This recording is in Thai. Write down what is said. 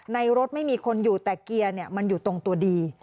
รถไม่มีคนอยู่แต่เกียร์มันอยู่ตรงตัวดี